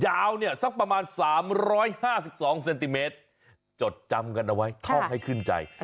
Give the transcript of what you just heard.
ยาวเนี่ยสักประมาณ๓๕๒เซนติเมตรจดจำกันเอาไว้ท่องให้ขึ้นใจ